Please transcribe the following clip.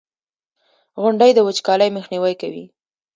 • غونډۍ د وچکالۍ مخنیوی کوي.